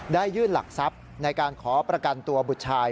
ยื่นหลักทรัพย์ในการขอประกันตัวบุตรชาย